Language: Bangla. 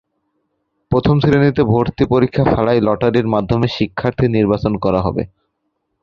প্রথম শ্রেণীতে ভর্তি পরীক্ষা ছাড়াই লটারির মাধ্যমে শিক্ষার্থী নির্বাচন করা হবে।